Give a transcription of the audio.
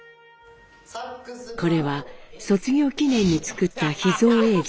これは卒業記念に作った秘蔵映像。